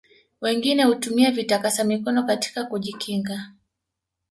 wengine hutumia vitakasa mikono katika kujikinga